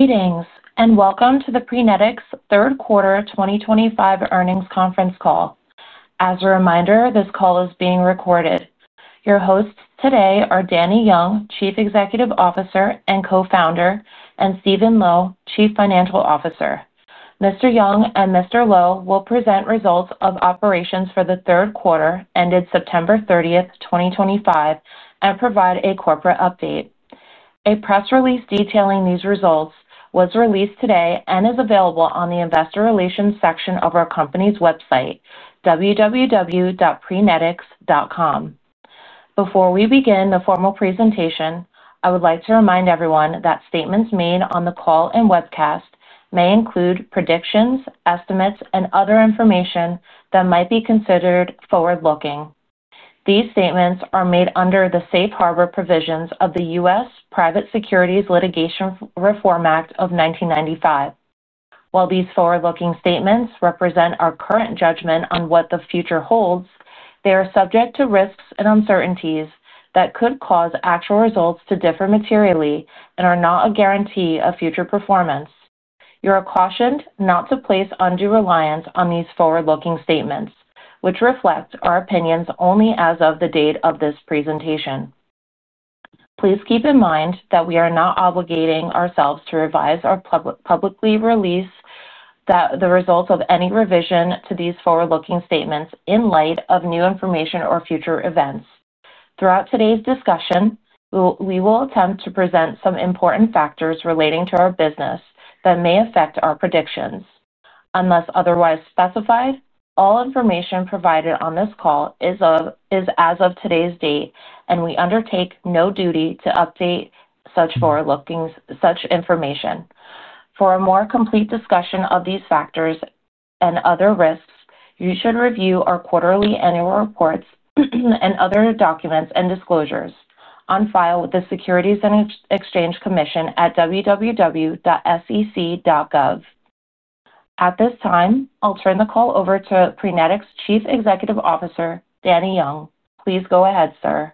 Greetings and welcome to the Prenetics Third Quarter 2025 Earnings Conference Call. As a reminder, this call is being recorded. Your hosts today are Danny Yeung, Chief Executive Officer and Co-founder, and Stephen Lowe, Chief Financial Officer. Mr. Yeung and Mr. Lowe will present results of operations for the third quarter ended September 30, 2025, and provide a corporate update. A press release detailing these results was released today and is available on the investor relations section of our company's website, www.prenetics.com. Before we begin the formal presentation, I would like to remind everyone that statements made on the call and webcast may include predictions, estimates, and other information that might be considered forward-looking. These statements are made under the Safe Harbor provisions of the U.S. Private Securities Litigation Reform Act of 1995. While these forward-looking statements represent our current judgment on what the future holds, they are subject to risks and uncertainties that could cause actual results to differ materially and are not a guarantee of future performance. You are cautioned not to place undue reliance on these forward-looking statements, which reflect our opinions only as of the date of this presentation. Please keep in mind that we are not obligating ourselves to revise or publicly release the results of any revision to these forward-looking statements in light of new information or future events. Throughout today's discussion, we will attempt to present some important factors relating to our business that may affect our predictions. Unless otherwise specified, all information provided on this call is as of today's date, and we undertake no duty to update such information. For a more complete discussion of these factors and other risks, you should review our quarterly and annual reports and other documents and disclosures on file with the Securities and Exchange Commission at www.sec.gov. At this time, I'll turn the call over to Prenetics Chief Executive Officer, Danny Yeung. Please go ahead, sir.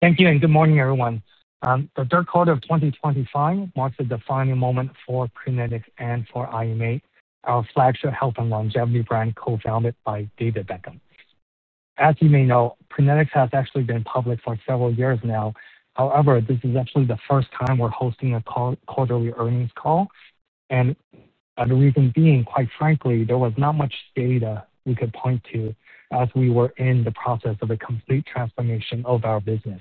Thank you and good morning, everyone. The third quarter of 2025 marks the defining moment for Prenetics and for IMA, our flagship health and longevity brand co-founded by David Beckham. As you may know, Prenetics has actually been public for several years now. However, this is actually the first time we're hosting a quarterly earnings call. The reason being, quite frankly, there was not much data we could point to as we were in the process of a complete transformation of our business.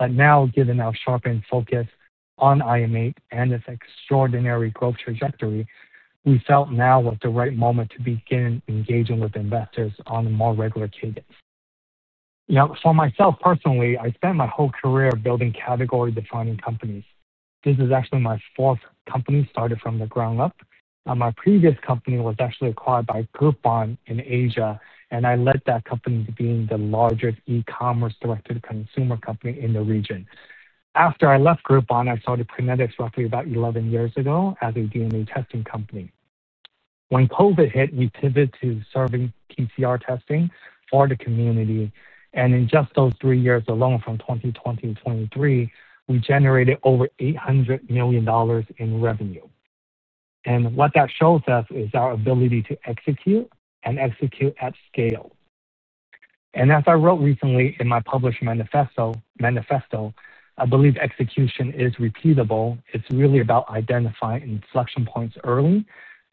Now, given our sharpened focus on IMA and its extraordinary growth trajectory, we felt now was the right moment to begin engaging with investors on a more regular cadence. Now, for myself personally, I spent my whole career building category-defining companies. This is actually my fourth company started from the ground up. My previous company was actually acquired by Groupon in Asia, and I led that company to being the largest e-commerce direct-to-consumer company in the region. After I left Groupon, I started Prenetics roughly about 11 years ago as a DNA testing company. When COVID hit, we pivoted to serving PCR testing for the community. In just those three years alone from 2020 to 2023, we generated over $800 million in revenue. What that shows us is our ability to execute and execute at scale. As I wrote recently in my published manifesto, I believe execution is repeatable. It is really about identifying inflection points early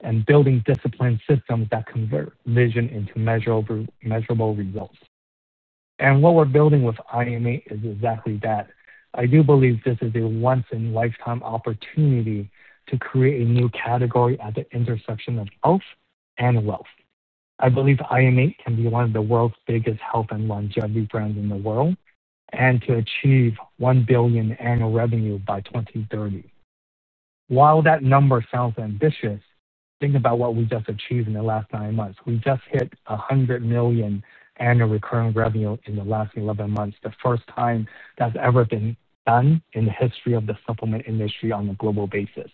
and building disciplined systems that convert vision into measurable results. What we are building with IMA is exactly that. I do believe this is a once-in-a-lifetime opportunity to create a new category at the intersection of health and wealth. I believe IMA can be one of the world's biggest health and longevity brands in the world and to achieve $1 billion annual revenue by 2030. While that number sounds ambitious, think about what we just achieved in the last nine months. We just hit $100 million annual recurring revenue in the last 11 months, the first time that's ever been done in the history of the supplement industry on a global basis.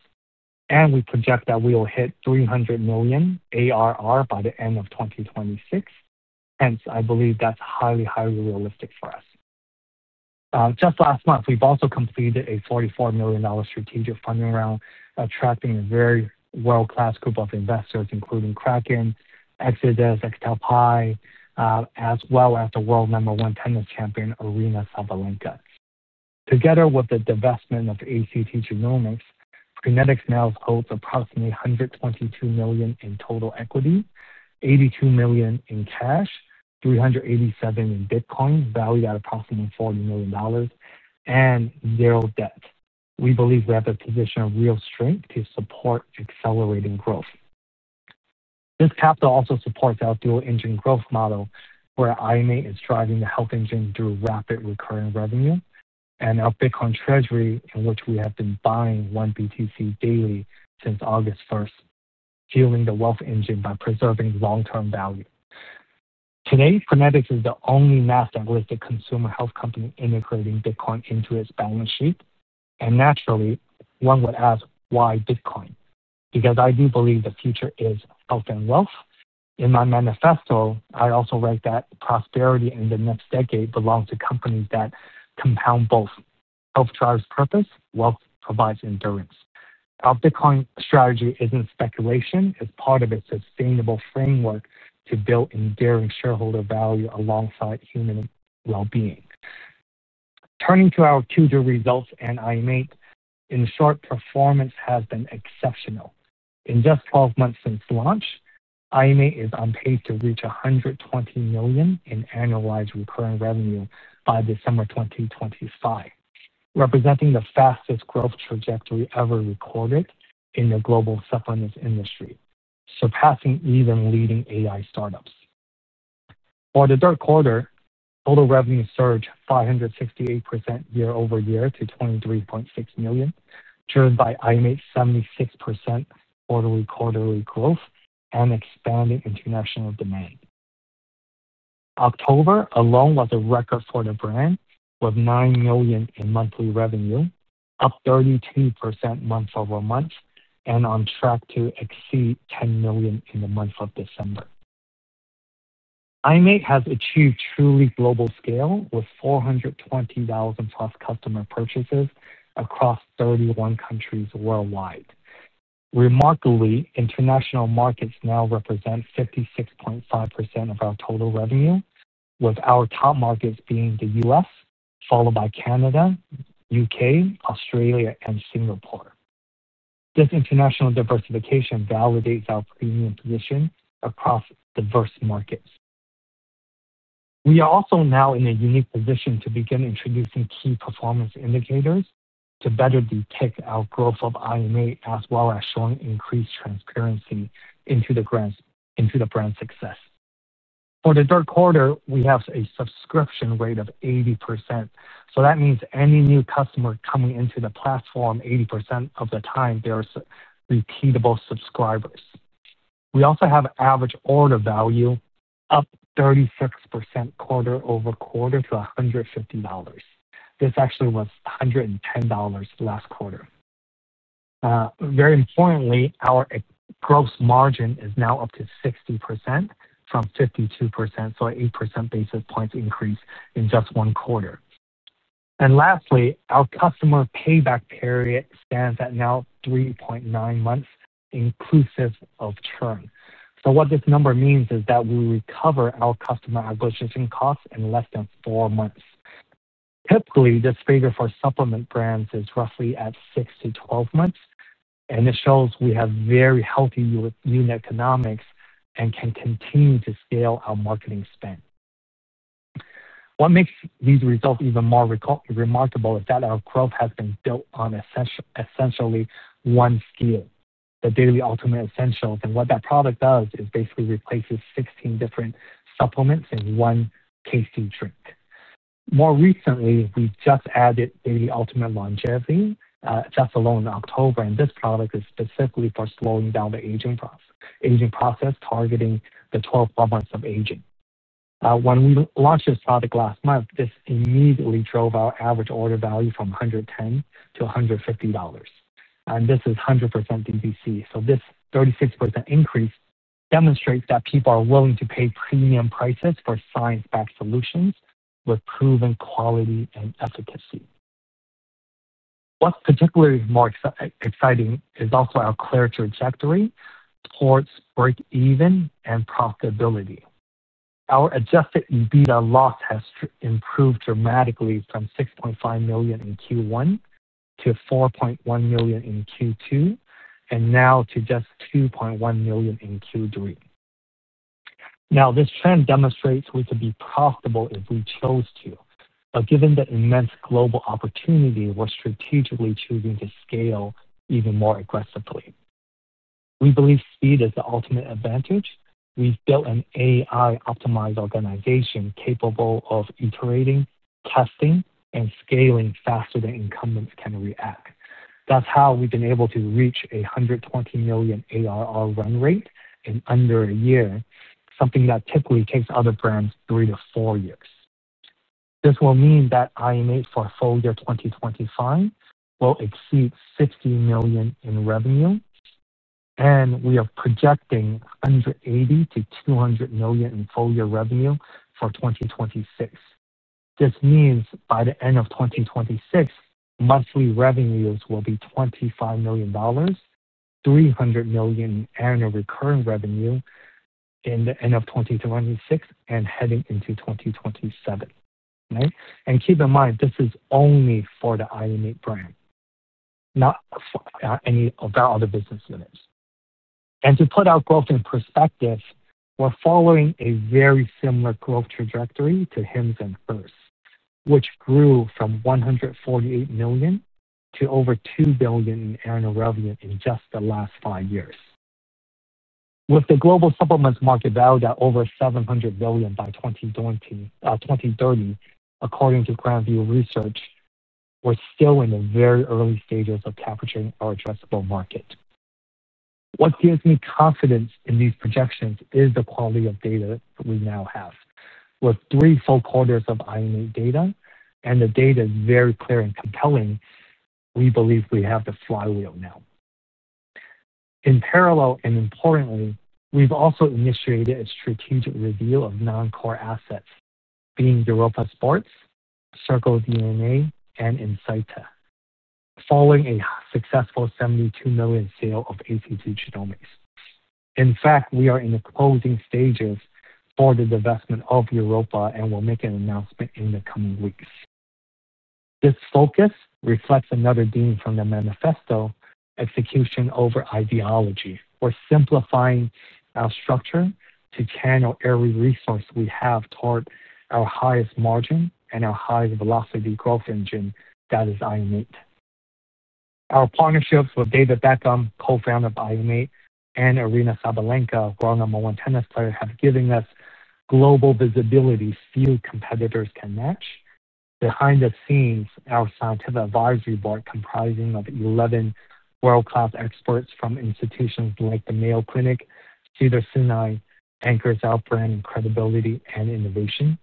We project that we will hit $300 million ARR by the end of 2026. Hence, I believe that's highly, highly realistic for us. Just last month, we've also completed a $44 million strategic funding round attracting a very world-class group of investors, including Kraken, Exodus, XLPi, as well as the world number one tennis champion, Aryna Sabalenka. Together with the divestment of ACT Genomics, Prenetics now holds approximately $122 million in total equity, $82 million in cash, 387 Bitcoin, valued at approximately $40 million, and zero debt. We believe we have a position of real strength to support accelerating growth. This capital also supports our dual-engine growth model, where IMA is driving the health engine through rapid recurring revenue, and our Bitcoin treasury, in which we have been buying one BTC daily since August 1, fueling the wealth engine by preserving long-term value. Today, Prenetics is the only mass-diversity consumer health company integrating Bitcoin into its balance sheet. Naturally, one would ask, why Bitcoin? Because I do believe the future is health and wealth. In my manifesto, I also write that prosperity in the next decade belongs to companies that compound both. Health drives purpose; wealth provides endurance. Our Bitcoin strategy is not speculation. It's part of a sustainable framework to build enduring shareholder value alongside human well-being. Turning to our Q2 results and IMA, in short, performance has been exceptional. In just 12 months since launch, IMA is on pace to reach $120 million in annualized recurring revenue by December 2025, representing the fastest growth trajectory ever recorded in the global supplements industry, surpassing even leading AI startups. For the third quarter, total revenue surged 568% year-over-year to $23.6 million, driven by IMA's 76% quarter-to-quarter growth and expanding international demand. October alone was a record for the brand, with $9 million in monthly revenue, up 32% month over month, and on track to exceed $10 million in the month of December. IMA has achieved truly global scale with 420,000+ customer purchases across 31 countries worldwide. Remarkably, international markets now represent 56.5% of our total revenue, with our top markets being the U.S., followed by Canada, the U.K., Australia, and Singapore. This international diversification validates our premium position across diverse markets. We are also now in a unique position to begin introducing key performance indicators to better depict our growth of IMA, as well as showing increased transparency into the brand's success. For the third quarter, we have a subscription rate of 80%. That means any new customer coming into the platform, 80% of the time, they are repeatable subscribers. We also have average order value up 36% quarter-over-quarter to $150. This actually was $110 last quarter. Very importantly, our gross margin is now up to 60% from 52%, so an 8 percentage point increase in just one quarter. Lastly, our customer payback period stands at now 3.9 months inclusive of churn. What this number means is that we recover our customer acquisition costs in less than four months. Typically, this figure for supplement brands is roughly at 6–12 months, and it shows we have very healthy unit economics and can continue to scale our marketing spend. What makes these results even more remarkable is that our growth has been built on essentially one SKU, the Daily Ultimate Essentials. What that product does is basically replaces 16 different supplements in one tasty drink. More recently, we just added Daily Ultimate Longevity, just alone in October, and this product is specifically for slowing down the aging process, targeting the 12 months of aging. When we launched this product last month, this immediately drove our average order value from $110–$150. This is 100% DTC. This 36% increase demonstrates that people are willing to pay premium prices for science-backed solutions with proven quality and efficacy. What's particularly more exciting is also our clear trajectory supports break-even and profitability. Our adjusted EBITDA loss has improved dramatically from $6.5 million in Q1 to $4.1 million in Q2, and now to just $2.1 million in Q3. This trend demonstrates we could be profitable if we chose to. Given the immense global opportunity, we're strategically choosing to scale even more aggressively. We believe speed is the ultimate advantage. We've built an AI-optimized organization capable of iterating, testing, and scaling faster than incumbents can react. That's how we've been able to reach a $120 million ARR run rate in under a year, something that typically takes other brands three to four years. This will mean that IMA for full year 2025 will exceed $60 million in revenue, and we are projecting $180–$200 million in full year revenue for 2026. This means by the end of 2026, monthly revenues will be $25 million, $300 million annual recurring revenue in the end of 2026 and heading into 2027. Keep in mind, this is only for the IMA brand, not about other business units. To put our growth in perspective, we're following a very similar growth trajectory to Hims & Hers, which grew from $148 million to over $2 billion in annual revenue in just the last five years. With the global supplements market valued at over $700 billion by 2030, according to Grand View Research, we're still in the very early stages of capturing our addressable market. What gives me confidence in these projections is the quality of data that we now have. With three full quarters of IMA data, and the data is very clear and compelling, we believe we have the flywheel now. In parallel, and importantly, we've also initiated a strategic reveal of non-core assets, being Europa Sports, CircleDNA, and Incita, following a successful $72 million sale of ACT Genomics. In fact, we are in the closing stages for the divestment of Europa, and we'll make an announcement in the coming weeks. This focus reflects another theme from the manifesto, execution over ideology. We're simplifying our structure to channel every resource we have toward our highest margin and our highest velocity growth engine, that is IMA. Our partnerships with David Beckham, co-founder of IMA, and Aryna Sabalenka, world number one tennis player, have given us global visibility few competitors can match. Behind the scenes, our scientific advisory board, comprising of 11 world-class experts from institutions like the Mayo Clinic, Cedar-Sinai, anchors our brand and credibility and innovation.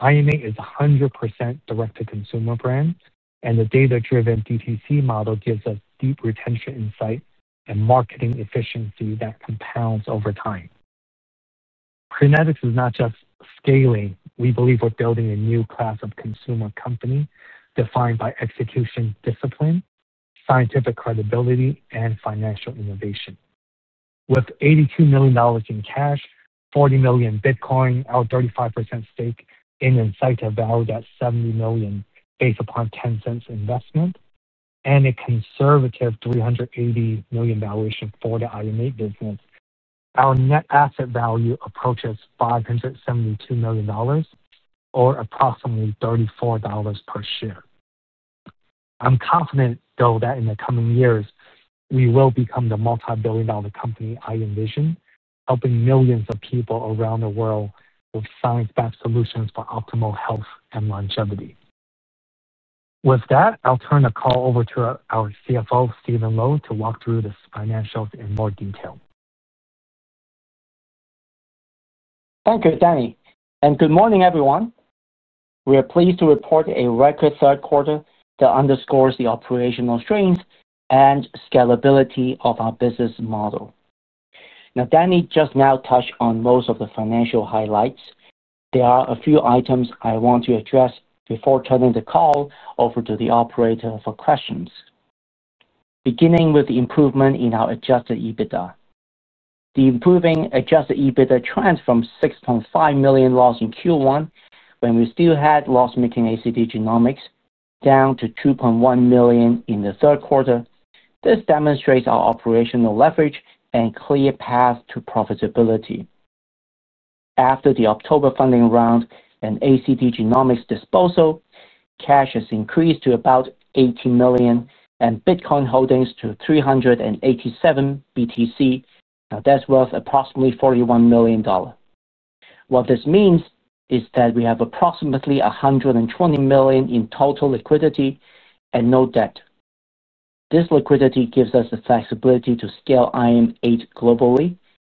IMA is a 100% Direct-to-Consumer brand, and the data-driven DTC model gives us deep retention insight and marketing efficiency that compounds over time. Prenetics is not just scaling. We believe we're building a new class of consumer company defined by execution discipline, scientific credibility, and financial innovation. With $82 million in cash, $40 million Bitcoin, our 35% stake in Incita valued at $70 million based upon 10 cents investment, and a conservative $380 million valuation for the IMA business, our net asset value approaches $572 million, or approximately $34 per share. I'm confident, though, that in the coming years, we will become the multi-billion dollar company I envision, helping millions of people around the world with science-backed solutions for optimal health and longevity. With that, I'll turn the call over to our CFO, Stephen Lowe, to walk through the financials in more detail. Thank you, Danny. Good morning, everyone. We are pleased to report a record third quarter that underscores the operational strength and scalability of our business model. Now, Danny just now touched on most of the financial highlights. There are a few items I want to address before turning the call over to the operator for questions, beginning with the improvement in our adjusted EBITDA. The improving adjusted EBITDA trends from $6.5 million loss in Q1, when we still had loss-making ACT Genomics, down to $2.1 million in the third quarter. This demonstrates our operational leverage and clear path to profitability. After the October funding round and ACT Genomics' disposal, cash has increased to about $80 million and Bitcoin holdings to 387 BTC. Now, that's worth approximately $41 million. What this means is that we have approximately $120 million in total liquidity and no debt. This liquidity gives us the flexibility to scale IMA globally,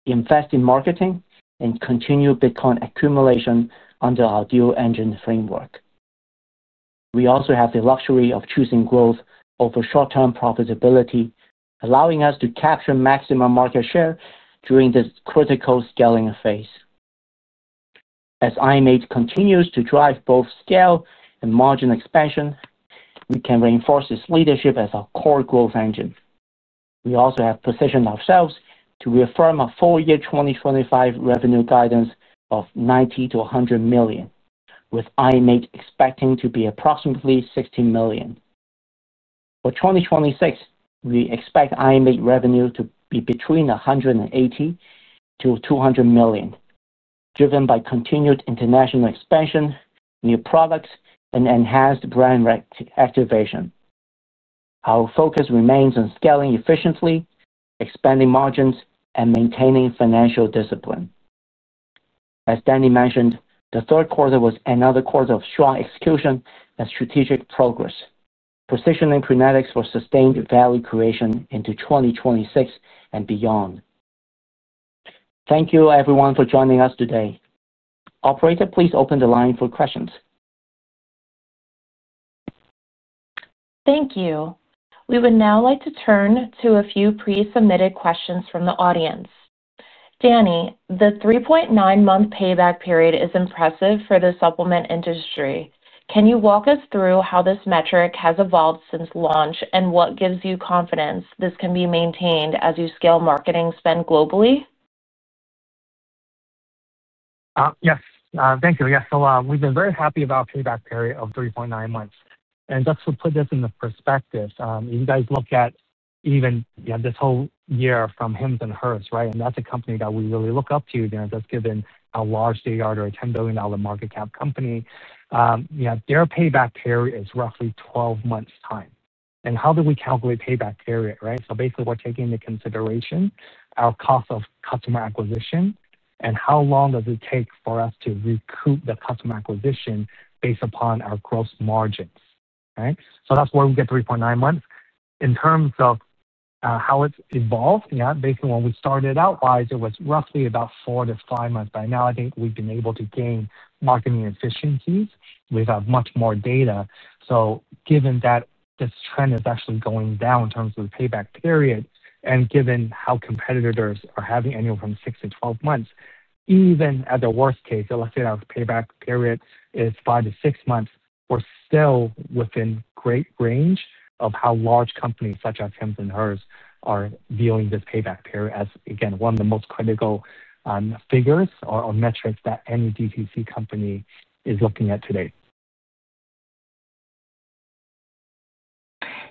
invest in marketing, and continue Bitcoin accumulation under our dual-engine framework. We also have the luxury of choosing growth over short-term profitability, allowing us to capture maximum market share during this critical scaling phase. As IMA continues to drive both scale and margin expansion, we can reinforce its leadership as our core growth engine. We also have positioned ourselves to reaffirm our full year 2025 revenue guidance of $90–$100 million, with IMA expecting to be approximately $60 million. For 2026, we expect IMA revenue to be between $180–$200 million, driven by continued international expansion, new products, and enhanced brand activation. Our focus remains on scaling efficiently, expanding margins, and maintaining financial discipline. As Danny mentioned, the third quarter was another quarter of strong execution and strategic progress, positioning Prenetics for sustained value creation into 2026 and beyond. Thank you, everyone, for joining us today. Operator, please open the line for questions. Thank you. We would now like to turn to a few pre-submitted questions from the audience. Danny, the 3.9-month payback period is impressive for the supplement industry. Can you walk us through how this metric has evolved since launch and what gives you confidence this can be maintained as you scale marketing spend globally? Yes, thank you. Yes, so we've been very happy about the payback period of 3.9 months. And just to put this in perspective, you guys look at even this whole year from Hims & Hers, right? That's a company that we really look up to, just given how large they are to a $10 billion market cap company. Their payback period is roughly 12 months' time. How do we calculate payback period? Basically, we're taking into consideration our cost of customer acquisition and how long does it take for us to recoup the customer acquisition based upon our gross margins. That's why we get 3.9 months. In terms of how it's evolved, based on when we started out, it was roughly about four to five months. By now, I think we've been able to gain marketing efficiencies. We have much more data. Given that this trend is actually going down in terms of the payback period, and given how competitors are having annual from 6-12 months, even at the worst case, let's say our payback period is five to six months, we're still within great range of how large companies such as Hims & Hers are viewing this payback period as, again, one of the most critical figures or metrics that any DTC company is looking at today.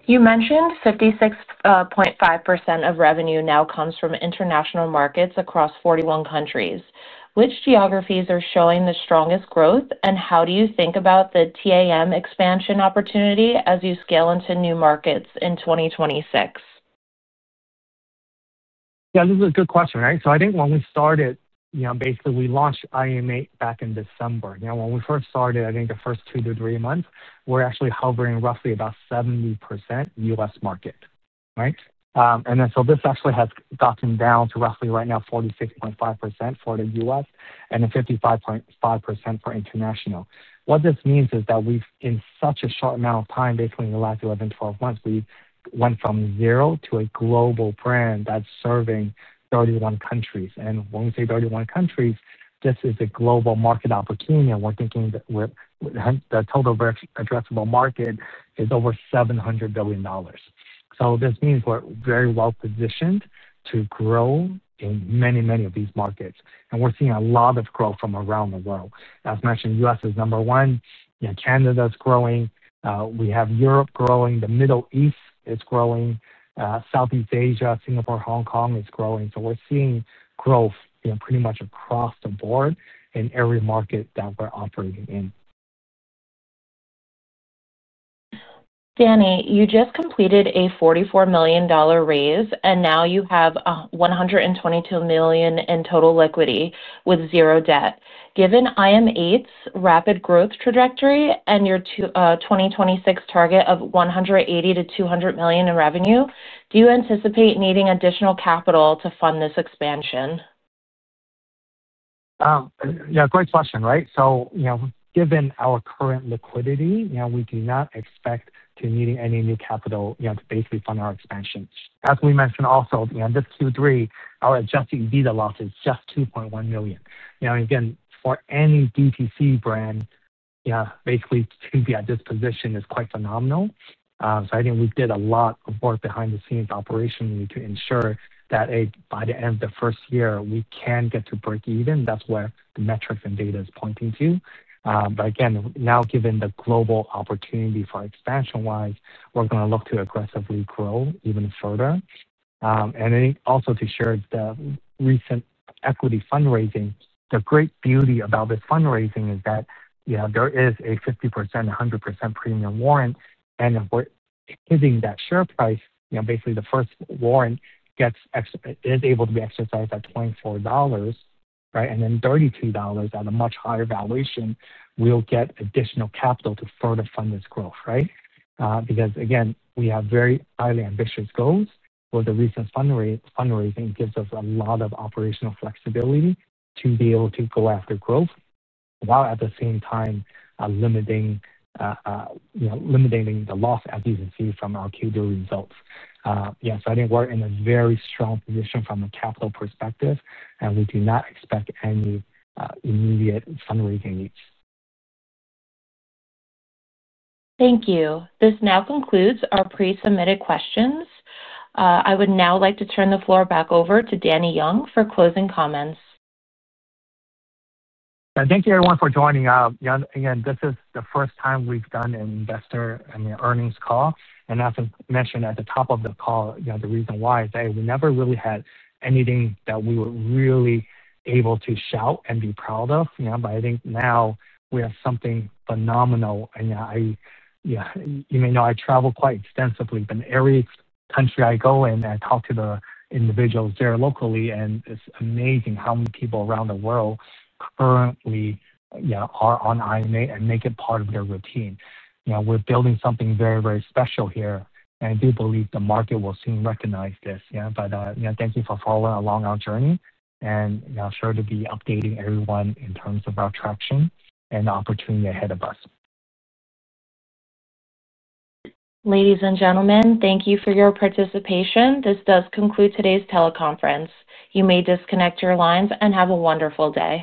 You mentioned 56.5% of revenue now comes from international markets across 41 countries. Which geographies are showing the strongest growth, and how do you think about the TAM expansion opportunity as you scale into new markets in 2026? Yeah, this is a good question, right? I think when we started, basically, we launched IMA back in December. When we first started, I think the first two to three months, we're actually hovering roughly about 70% U.S. market. This actually has gotten down to roughly right now 46.5% for the U.S. and 55.5% for international. What this means is that we've, in such a short amount of time, basically in the last 11, 12 months, we went from zero to a global brand that's serving 31 countries. When we say 31 countries, this is a global market opportunity. We're thinking that the total addressable market is over $700 billion. This means we're very well positioned to grow in many, many of these markets. We're seeing a lot of growth from around the world. As mentioned, the U.S. is number one. Canada is growing. We have Europe growing. The Middle East is growing. Southeast Asia, Singapore, Hong Kong is growing. We're seeing growth pretty much across the board in every market that we're operating in. Danny, you just completed a $44 million raise, and now you have $122 million in total liquidity with zero debt. Given IMA's rapid growth trajectory and your 2026 target of $180-$200 million in revenue, do you anticipate needing additional capital to fund this expansion? Yeah, great question, right? Given our current liquidity, we do not expect to need any new capital to basically fund our expansion. As we mentioned also, this Q3, our adjusted EBITDA loss is just $2.1 million. Again, for any BTC brand, basically to be at this position is quite phenomenal. I think we did a lot of work behind the scenes operationally to ensure that by the end of the first year, we can get to break even. That's where the metrics and data is pointing to. Again, now, given the global opportunity for expansion-wise, we're going to look to aggressively grow even further. I think also to share the recent equity fundraising, the great beauty about this fundraising is that there is a 50%, 100% premium warrant, and if we're hitting that share price, basically the first warrant is able to be exercised at $24, and then $32 at a much higher valuation, we'll get additional capital to further fund this growth, right? Because again, we have very highly ambitious goals, where the recent fundraising gives us a lot of operational flexibility to be able to go after growth, while at the same time limiting the loss as you can see from our Q2 results. I think we're in a very strong position from a capital perspective, and we do not expect any immediate fundraising needs. Thank you. This now concludes our pre-submitted questions. I would now like to turn the floor back over to Danny Yeung for closing comments. Thank you, everyone, for joining. Again, this is the first time we've done an investor and earnings call. As I mentioned at the top of the call, the reason why is we never really had anything that we were really able to shout and be proud of. I think now we have something phenomenal. You may know I travel quite extensively, but every country I go in, I talk to the individuals there locally, and it's amazing how many people around the world currently are on IMA and make it part of their routine. We're building something very, very special here, and I do believe the market will soon recognize this. Thank you for following along our journey, and I'm sure to be updating everyone in terms of our traction and opportunity ahead of us. Ladies and gentlemen, thank you for your participation. This does conclude today's teleconference. You may disconnect your lines and have a wonderful day.